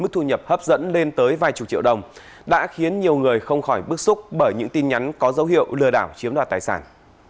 thu nhập hấp dẫn lên tới vài chục triệu đồng đã khiến nhiều người không khỏi bức xúc bởi những tin nhắn có dấu hiệu lừa đảo chiếm đoạt tài sản